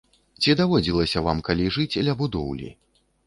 Ці даводзілася вам калі жыць ля будоўлі?